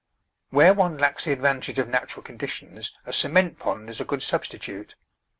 Where one lacks the advantage of natural condi tions a cement pond is a good substitute.